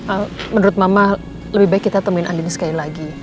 eh menurut mama lebih baik kita temuin andini sekali lagi